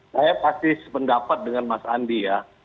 saya pasti sependapat dengan mas andi ya